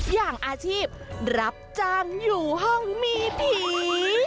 อย่างอาชีพรับจ้างอยู่ห้องมีผี